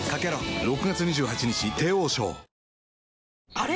あれ？